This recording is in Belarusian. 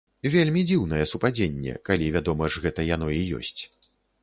Вельмі дзіўнае супадзенне, калі, вядома ж, гэта яно і ёсць.